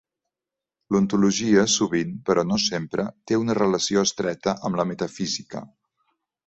L'ontologia sovint, però no sempre, té una relació estreta amb la metafísica.